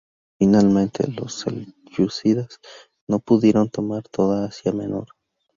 Finalmente, los selyúcidas no pudieron tomar toda Asia Menor.